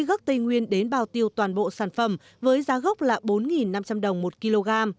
gốc tây nguyên đến bao tiêu toàn bộ sản phẩm với giá gốc là bốn năm trăm linh đồng một kg